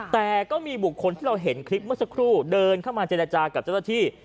แต่ก็มีบุคคลที่เราเห็นคลิปเมื่อสักครู่เดินเข้ามาเจรจากับเจ้าหน้าที่